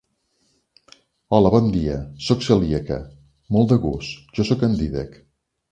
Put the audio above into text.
-Hola bon dia, soc celíaca. -Molt de gust, jo soc en Dídac.